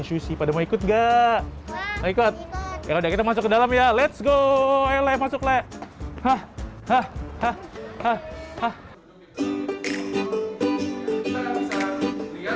sushi pada mau ikut gak ikut ya udah kita masuk ke dalam ya let's go elemasuk leh hah hah hah